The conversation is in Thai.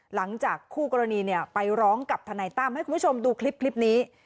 หลังจากคู่กรณีไปร้องกับทนายตั้มให้คุณผู้ชมดูคลิปนี้